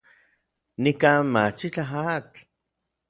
Nikan machitlaj atl.